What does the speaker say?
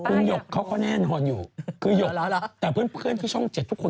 คุณหยกเขาก็แน่นอนอยู่คือหยกแต่เพื่อนที่ช่อง๗ทุกคน